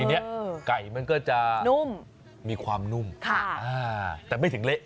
ทีนี้ไก่มันก็จะนุ่มมีความนุ่มแต่ไม่ถึงเละ